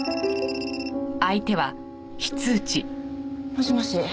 もしもし。